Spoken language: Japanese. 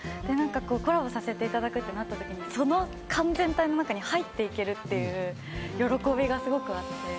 コラボさせていただくってなった時に完全体の中に入っていけるっていう喜びがすごくあって。